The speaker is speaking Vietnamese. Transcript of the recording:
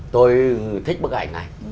tôi thích bức ảnh này